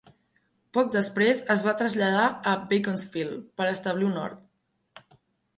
Poc després, es va traslladar a Beaconsfield per establir un hort.